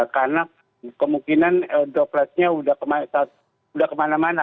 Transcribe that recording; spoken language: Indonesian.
karena kemungkinan kelasnya sudah kemana mana